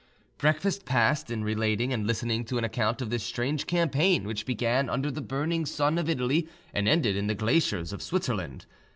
Breakfast passed in relating and listening to an account of this strange campaign which began under the burning sun of Italy and ended in the glaciers of Switzerland.